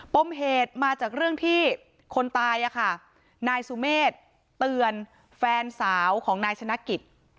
ปมเหตุมาจากเรื่องที่คนตายอะค่ะนายสุเมฆเตือนแฟนสาวของนายชนะกิจ